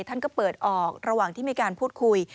ท่านก็เปิดออกระหว่างที่มีการพูดคุย